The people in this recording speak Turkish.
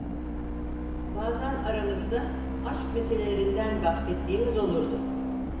Bazan aramızda aşk meselelerinden bahsettiğimiz olurdu.